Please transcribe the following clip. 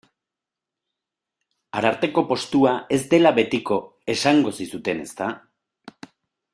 Ararteko postua ez dela betiko esango zizuten, ezta?